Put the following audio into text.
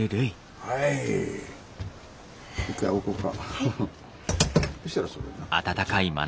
はい。